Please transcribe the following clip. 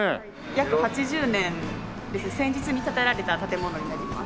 約８０年戦時中に建てられた建物になります。